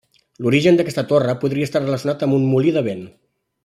L'origen d'aquesta torre podria estar relacionat amb un molí de vent.